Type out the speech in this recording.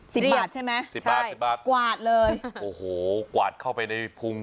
สิบบาทใช่ไหมสิบบาทสิบบาทกวาดเลยโอ้โหกวาดเข้าไปในพุง